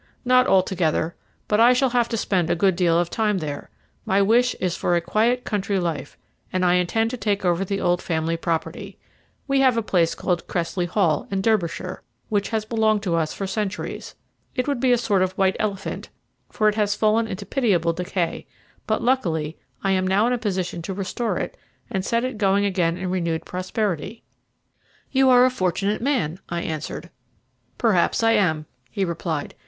"Not altogether; but I shall have to spend a good deal of time there. My wish is for a quiet country life, and I intend to take over the old family property. We have a place called Cressley Hall, in Derbyshire, which has belonged to us for centuries. It would be a sort of white elephant, for it has fallen into pitiable decay; but, luckily, I am now in a position to restore it and set it going again in renewed prosperity." "You are a fortunate man," I answered. "Perhaps I am," he replied.